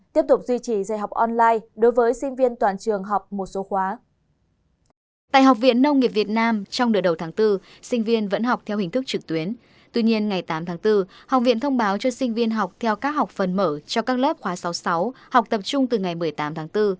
tuy nhiên ngày tám tháng bốn học viện thông báo cho sinh viên học theo các học phần mở cho các lớp khóa sáu sáu học tập trung từ ngày một mươi tám tháng bốn